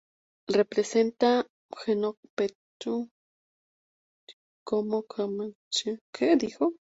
Representa непокретно културно добро como споменик културе.